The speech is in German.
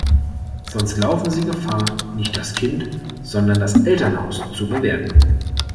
Sonst laufen sie Gefahr, nicht das Kind, sondern das Elternhaus zu bewerten.